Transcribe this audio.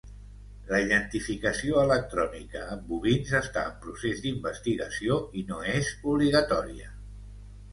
La identificació electrònica en bovins està en procés d’investigació, i no és obligatòria.